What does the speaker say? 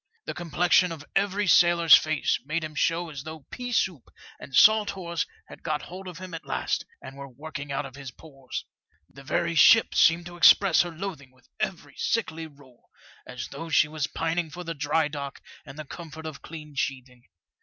The complexion of every sailor's face made him show as though pea soup and salt horse had got hold of him at last, and were working out of his pores. The very ship seemed to express her loathing with every sickly roll, as though she was pining for the dry dock and the comfort of clean sheathing.